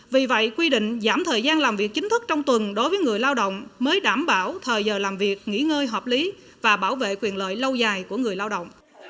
vì vậy quy định giảm thời gian làm việc chính thức trong tuần đối với người lao động mới đảm bảo thời giờ làm việc nghỉ ngơi hợp lý và bảo vệ quyền lợi lâu dài của người lao động